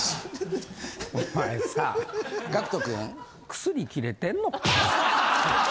薬切れてんのか。